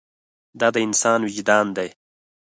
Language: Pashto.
دا د انسان وجدان دی.